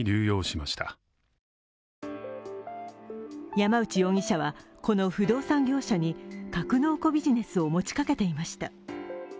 山内容疑者はこの不動産業者に格納庫ビジネスを持ちかけていました。